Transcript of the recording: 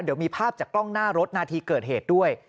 เดี๋ยวมีภาพจากกล้องหน้ารถนาทีเกิดเหตุด้วย